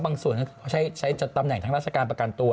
บางส่วนใช้ตำแหน่งทางราชการประกันตัว